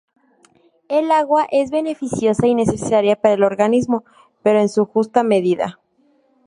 El agua es beneficiosa y necesaria para el organismo, pero en su justa medida.